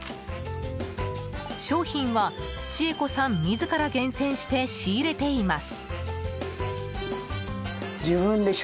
商品は千恵子さん自ら厳選して仕入れています。